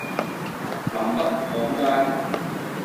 南北行街